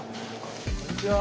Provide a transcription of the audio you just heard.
こんにちは！